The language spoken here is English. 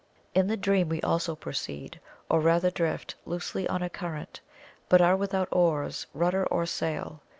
In the dream we also proceed, or rather drift, loosely on a current, but are without oars, rudder or sail.